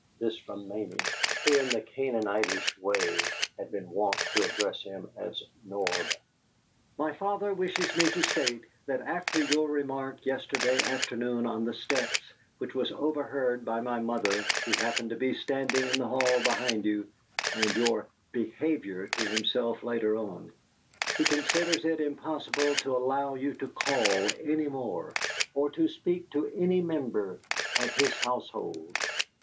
(This from Mamie, who, in the Canaanitish way, had been wont to address him as "Norb"!) "My father wishes me to state that after your remark yesterday afternoon on the steps which was overheard by my mother who happened to be standing in the hall behind you and your BEHAVIOR to himself later on he considers it impossible to allow you to call any more or to speak to any member of his household.